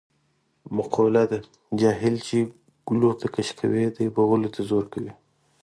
مقوله ده: جاهل چې ګلوته کش کوې دی به غولو ته زور کوي.